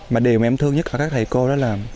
mà điều mà em thương nhất ở các thầy cô đó là